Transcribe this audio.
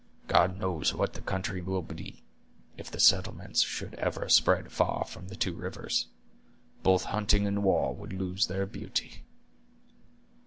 God knows what the country would be, if the settlements should ever spread far from the two rivers. Both hunting and war would lose their beauty."